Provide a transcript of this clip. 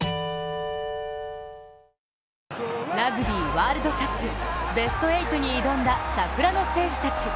ラグビーワールドカップベスト８に挑んだ桜の戦士たち。